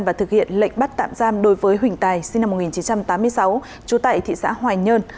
và thực hiện lệnh bắt tạm giam đối với huỳnh tài sinh năm một nghìn chín trăm tám mươi sáu trú tại thị xã hoài nhơn